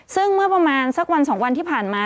ซึ่งเมื่อประมาณสักวัน๒วันที่ผ่านมา